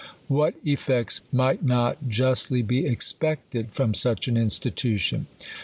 What effects might not justly be expected from such an institution